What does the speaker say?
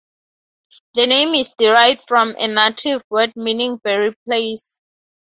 The name is derived from a native word meaning Berry place.